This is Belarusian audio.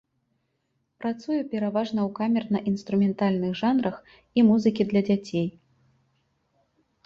Працуе пераважна ў камерна-інструментальных жанрах і музыкі для дзяцей.